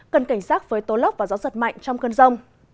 cần cảnh giác với tố lốc và gió giật mạnh trong cơn rông